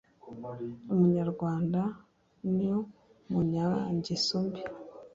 Umunyamwaga n umunyangeso mbi